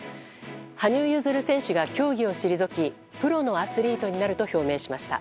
羽生結弦選手が競技を退きプロのアスリートになると表明しました。